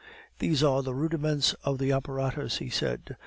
"There are the rudiments of the apparatus," he said.